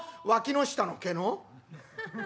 「わきの下の毛の？」。